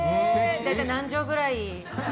大体、何畳ぐらい。